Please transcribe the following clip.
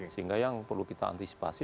sehingga yang perlu kita antisipasi